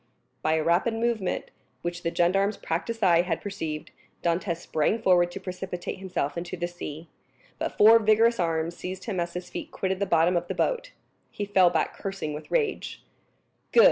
By a rapid movement, which the gendarme's practiced eye had perceived, Dantès sprang forward to precipitate himself into the sea; but four vigorous arms seized him as his feet quitted the bottom of the boat. He fell back cursing with rage. "Good!"